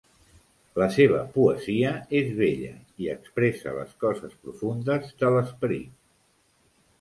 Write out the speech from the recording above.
La seva poesia és bella i expressa les coses profundes de l'Esperit.